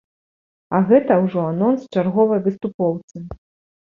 А гэта ўжо анонс чарговай выступоўцы.